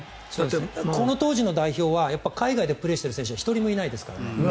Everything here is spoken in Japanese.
この当時の代表は海外でプレーしている選手は１人もいないですから。